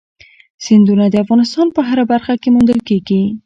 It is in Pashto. سیندونه د افغانستان په هره برخه کې موندل کېږي.